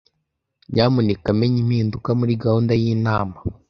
Nyamuneka menya impinduka muri gahunda yinama.